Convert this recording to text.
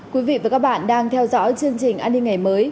quý vị và các bạn đang theo dõi chương trình an ninh ngày mới